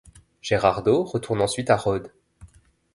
Gerardo retourne ensuite à Rhodes.